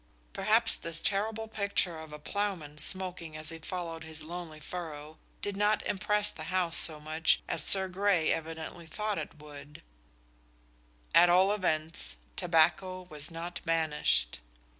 Perhaps this terrible picture of a ploughman smoking as he followed his lonely furrow did not impress the House so much as Sir Grey evidently thought it would; at all events, tobacco was not banished.